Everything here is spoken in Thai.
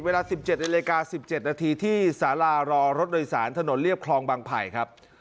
เวลาสิบเจ็ดในเหลือ๑๗นาทีที่สารารอรถโดยสารถนนเลี้ยบคลองบางไผ่ครับ